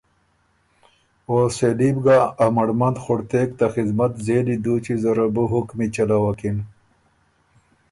او سېلی بُو ګه ا مړمند خُړتېک ته خدمت ځېلی دُوچی زره بو حُکمی چَلَوکِن،